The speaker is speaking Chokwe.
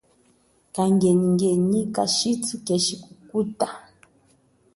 Kangenyingenyi kathuthu keshi kukuta.